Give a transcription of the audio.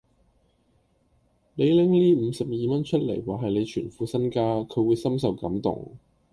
你拎呢五十二蚊出黎話係你全副身家，佢會深受感動